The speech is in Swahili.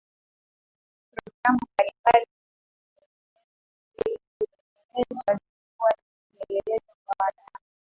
Programu mbalimbali zilizotekelezwa zimekuwa kielelezo kwa wadau